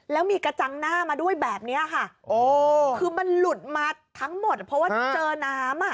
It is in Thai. แล้วมีกระจังหน้ามาด้วยแบบนี้ค่ะคือมันหลุดมาทั้งหมดเพราะว่าเจอน้ำอ่ะ